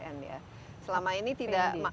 oke dan ini semua dari apbd jakarta ya